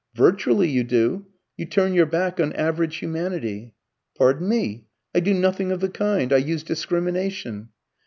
"Virtually you do. You turn your back on average humanity." "Pardon me, I do nothing of the kind. I use discrimination."